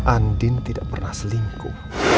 andien tidak pernah selingkuh